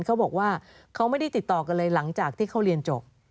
เขาบอกว่าเขาไม่ได้ติดต่อกันเลยหลังจากที่เขาเรียนจบ